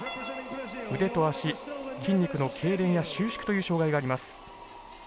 腕と足、筋肉のけいれんや収縮という障がいがあります。